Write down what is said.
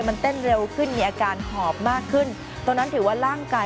มันเต้นเร็วขึ้นมีอาการหอบมากขึ้นตรงนั้นถือว่าร่างกาย